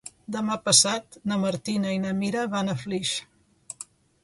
Demà passat na Martina i na Mira van a Flix.